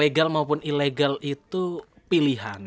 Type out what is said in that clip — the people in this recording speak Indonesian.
legal maupun ilegal itu pilihan